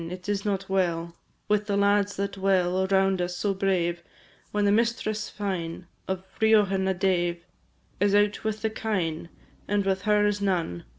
It is not well With the lads that dwell Around us, so brave, When the mistress fine Of Riothan a dave Is out with the kine, And with her is none.